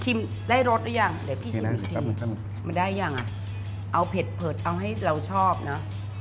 ชิมได้รสหรือยังได้หรือยังอ่ะเอาเผ็ดเอาให้เราชอบนะ